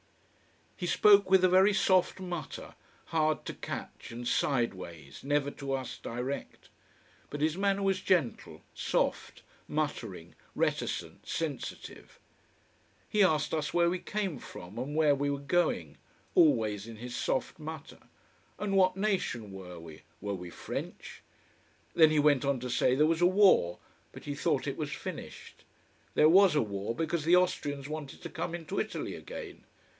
He spoke with a very soft mutter, hard to catch, and sideways, never to us direct. But his manner was gentle, soft, muttering, reticent, sensitive. He asked us where we came from, and where we were going: always in his soft mutter. And what nation were we, were we French? Then he went on to say there was a war but he thought it was finished. There was a war because the Austrians wanted to come into Italy again.